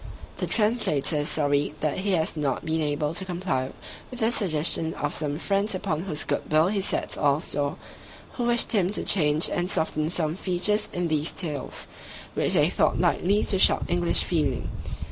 The Translator is sorry that he has not been able to comply with the suggestion of some friends upon whose good will he sets all store, who wished him to change and soften some features in these tales, which they thought likely to shock English feeling.